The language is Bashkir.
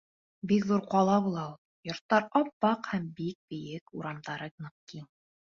Бик ҙур ҡала була ул. Йорттар ап-аҡ һәм бик бейек, урамдары ныҡ киң.